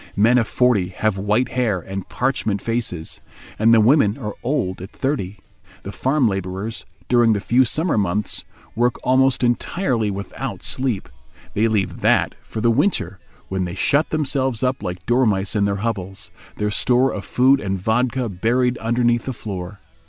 Men of forty have white hair and parchment faces; and the women are old at thirty. The farm labourers, during the few summer months, work almost entirely without sleep. They leave that for the winter, when they shut themselves up like dormice in their hovels, their store of food and vodka buried underneath the floor.